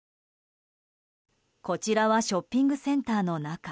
こちらはショッピングセンターの中。